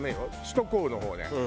首都高の方ね。